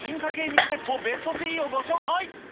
水鉄砲ベスト３をご紹介。